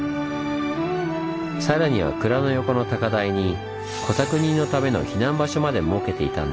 さらには蔵の横の高台に小作人のための避難場所まで設けていたんです。